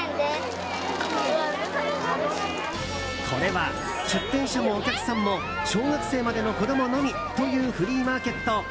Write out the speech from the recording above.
これは出店者もお客さんも小学生までの子供のみというフリーマーケット